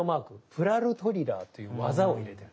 プラルトリラーという技を入れてる。